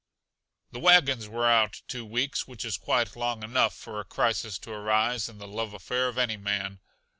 The wagons were out two weeks which is quite long enough for a crisis to arise in the love affair of any man.